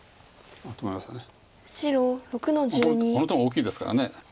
この手も大きいですから。